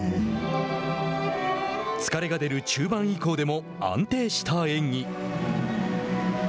疲れが出る中盤以降でも安定した演技。